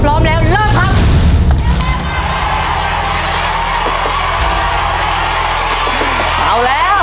พร้อมแล้วเลิกครับ